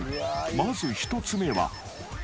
［まず１つ目は］